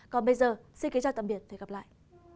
còn bây giờ xin kính chào tạm biệt và hẹn gặp lại